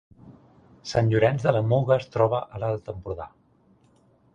Sant Llorenç de la Muga es troba a l’Alt Empordà